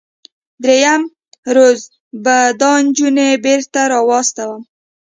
دریم روز به دا نجونې بیرته راواستوم.